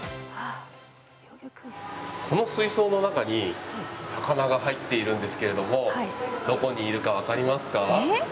この水槽の中に魚が入っているんですけれどもどこにいるか分かりますか？